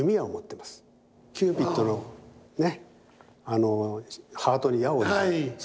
キューピッドのね。